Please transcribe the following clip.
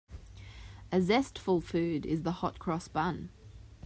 A zestful food is the hot-cross bun.